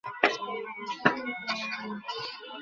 স্নান করে উঠে রোজ একবার রোদে মেলে ধরি, ধবধবে সাদা হয়ে যায়।